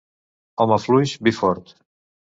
Home fluix, vi fort.